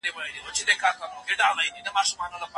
که تاسي په پښتو کي اغېزناکه وینا وکړئ خلک به مو ومني.